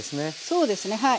そうですねはい。